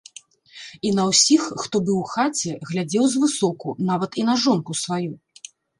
І на ўсіх, хто быў у хаце, глядзеў звысоку, нават і на жонку сваю.